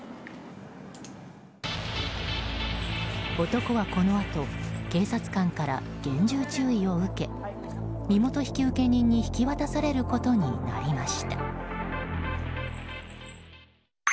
男はこのあと警察官から厳重注意を受け身元引受人に引き渡されることになりました。